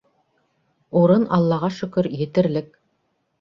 Урын, аллаға шөкөр, етерлек.